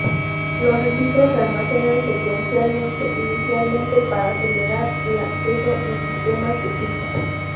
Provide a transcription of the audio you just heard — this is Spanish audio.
Los registros se almacenan secuencialmente, inicialmente para acelerar el acceso en sistemas de cinta.